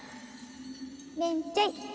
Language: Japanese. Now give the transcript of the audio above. めんちゃい。